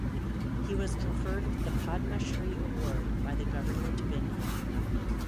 He was conferred with the Padma Shri award by the Government of India.